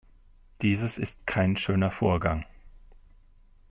Dieses ist kein schöner Vorgang.